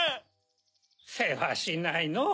せわしないのう。